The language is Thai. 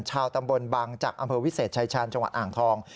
ชาวตำบลบางจักรอำเภอวิเศษชายชาญจังหวัดอ่างทอง